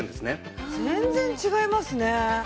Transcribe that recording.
全然違いますね。